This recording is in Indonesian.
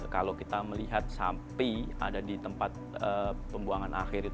kalau kita melihat sampai ada di tempat pembuangan akhir